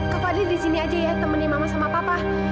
kak fadli disini aja ya temenin mama sama papa